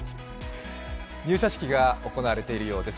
入社式が行われているようです。